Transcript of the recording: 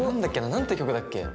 何て曲だっけ？